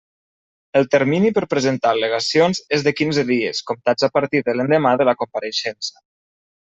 El termini per presentar al·legacions és de quinze dies, comptats a partir de l'endemà de la compareixença.